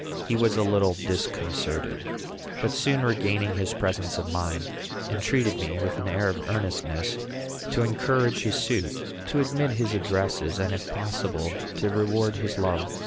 He was a little disconcerted, but, soon regaining his presence of mind, entreated me, with an air of earnestness, to encourage his suit, to admit his addresses, and, if possible, to reward his love.